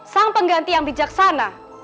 sang pengganti yang bijaksana